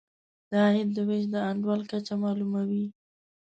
د عاید د وېش د انډول کچه معلوموي.